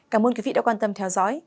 cảm ơn quý vị đã quan tâm theo dõi